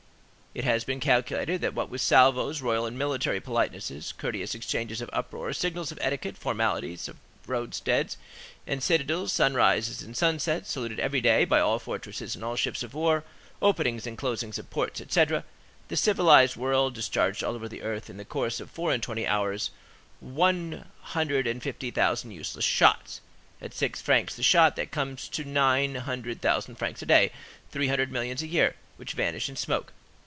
It has been calculated that what with salvos, royal and military politenesses, courteous exchanges of uproar, signals of etiquette, formalities of roadsteads and citadels, sunrises and sunsets, saluted every day by all fortresses and all ships of war, openings and closings of ports, etc., the civilized world, discharged all over the earth, in the course of four and twenty hours, one hundred and fifty thousand useless shots. At six francs the shot, that comes to nine hundred thousand francs a day, three hundred millions a year, which vanish in smoke.